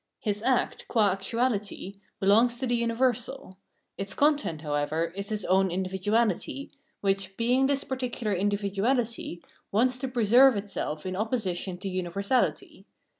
His act, qua actuahty, belongs to the universal ; its content, however, is his own individuahty, which, being this particular individuahty, wants to pre serve itself in opposition to universahty.